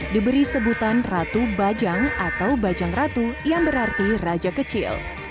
diberi sebutan ratu bajang atau bajang ratu yang berarti raja kecil